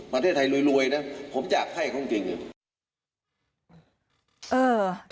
ประเทศไทยรวยนะผมจะให้ความจริง